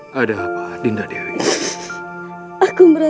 padan aku pengguna peminat kandang sendiri hanyara